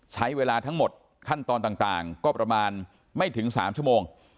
ใช้เวลาทั้งหมดขั้นตอนต่างก็ประมาณไม่ถึง๓ชั่วโมง